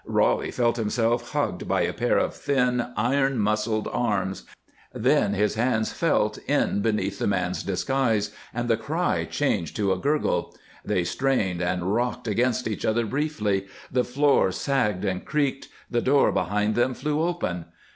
Roly felt himself hugged by a pair of thin, iron muscled arms; then his hands felt in beneath the man's disguise, and the cry changed to a gurgle. They strained and rocked against each other briefly; the floor sagged and creaked; the door behind them flew open.